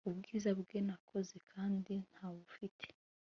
Ubwiza bwe nakoze kandi ntabufite